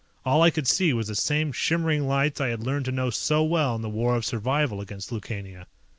All I could see was the same shimmering lights I had learned to know so well in the War of Survival against Lukania.